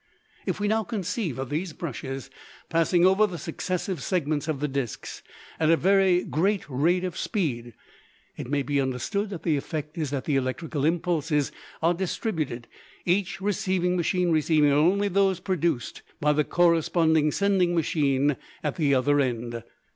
If we now conceive of these brushes passing over the successive segments of the disks at a very great rate of speed, it may be understood that the effect is that the electrical impulses are distributed, each receiving machine receiving only those produced by the corresponding sending machine at the other end.